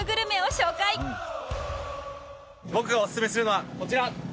僕がオススメするのはこちら！